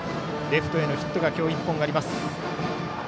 レフトへのヒットが今日、１本あります。